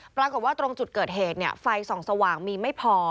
ปรากฏว่าตรงจุดเกิดเหตุไฟส่องสว่างมีไม่พอ